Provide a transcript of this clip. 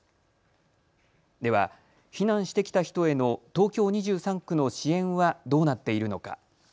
では、避難してきた人への東京２３区の支援はどうなっているのか。